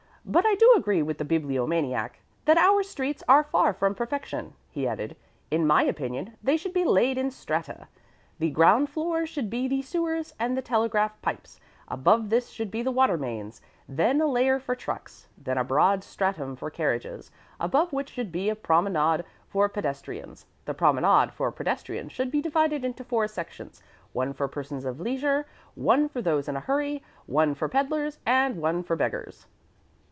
"But I do agree with the Bibliomaniac that our streets are far from perfection," he added. "In my opinion they should be laid in strata. On the ground floor should be the sewers and telegraph pipes; above this should be the water mains, then a layer for trucks, then a broad stratum for carriages, above which should be a promenade for pedestrians. The promenade for pedestrians should be divided into four sections one for persons of leisure, one for those in a hurry, one for peddlers, and one for beggars."